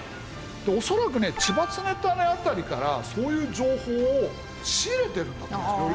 恐らくね千葉常胤あたりからそういう情報を仕入れてるんだと頼朝は。